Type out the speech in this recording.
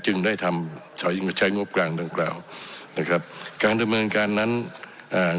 จึงได้ทำถอยมาใช้งบกลางดังกล่าวนะครับการดำเนินการนั้นอ่า